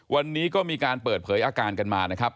วันนี้ก็มีการเปิดเผยอาการกันมานะครับ